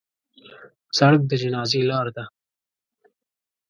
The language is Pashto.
سړک د جنازې لار ده.